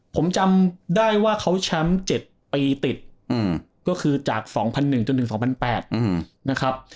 ผมจำได้ว่าเขาแชมป์๗ปีติดก็คือจาก๒๐๐๑จนถึง๒๐๐๘๐๐นะครับ